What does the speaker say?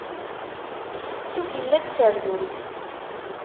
Sufella n tserdunt.